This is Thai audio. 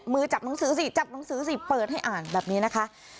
มือจับหนังสือสิจับหนังสือสิเปิดให้อ่านแบบนี้นะคะ